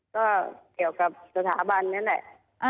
ก็เกี่ยวกับสถาบันนั่นแหละ